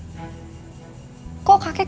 aku sudah berusaha untuk mengambil alih